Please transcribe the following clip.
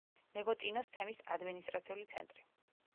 ნეგოტინოს თემის ადმინისტრაციული ცენტრი.